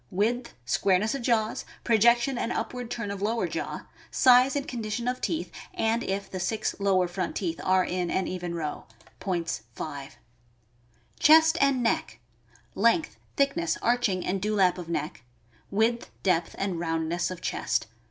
— Width, squareness of jaws, projection and up ward turn of lower jaw; size and condition of teeth, and if the six lower front teeth are in an even row. Points, 5. •••%:, MS IHP ^s>il* &, THE BULLDOG. 605 Chest and neck. — Length, thickness, arching, and dew lap of neck, width, depth, and roundness of chest.